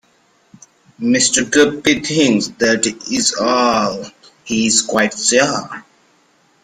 Mr. Guppy thinks that is all; he is quite sure.